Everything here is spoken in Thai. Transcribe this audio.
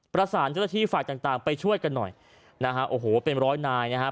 ประสานเจ้าหน้าที่ฝ่ายต่างต่างไปช่วยกันหน่อยนะฮะโอ้โหเป็นร้อยนายนะครับ